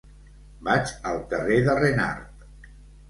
Vaig al carrer de Renart.